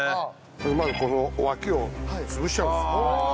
まずこの脇を潰しちゃうんです。